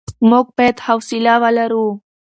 موږ بايد حوصله ولرو.